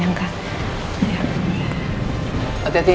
jessy adalah jessica